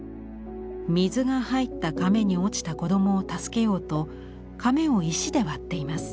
水が入ったかめに落ちた子供を助けようとかめを石で割っています。